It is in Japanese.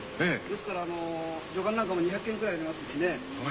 ですからあのりょかんなんかも２００けんくらいありますしね。